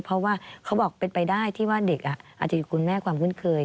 เพราะว่าเขาบอกเป็นไปได้ที่ว่าเด็กอาจจะมีคุณแม่ความคุ้นเคย